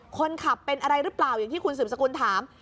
คนขับเป็นอะไรหรือเปล่าอย่างที่คุณสืบสกุลถาม